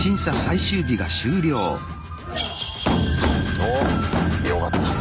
おっよかったね。